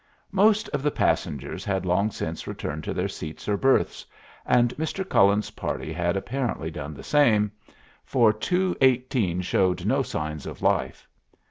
Most of the passengers had long since returned to their seats or berths, and Mr. Cullen's party had apparently done the same, for 218 showed no signs of life.